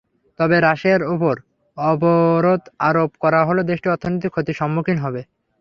তবে রাশিয়ার ওপর অবরোধ আরোপ করা হলে দেশটি অর্থনৈতিক ক্ষতির সম্মুখীন হবে।